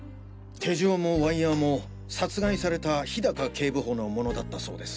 手錠もワイヤーも殺害された氷高警部補のものだったそうです。